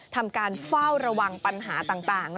ทำการเฝ้าระวังปัญหาต่าง